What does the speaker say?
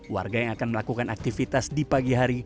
warga yang akan melakukan aktivitas di pagi hari